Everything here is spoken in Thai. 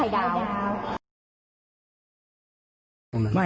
ชื่อน้องไข่ดาว